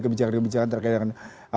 kebijakan kebijakan terkait dengan